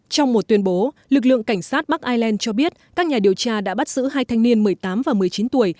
trong một tuyên bố lực lượng cảnh sát bắc ireland cho biết các nhà điều tra đã bắt giữ hai thanh niên một mươi tám và một mươi chín tuổi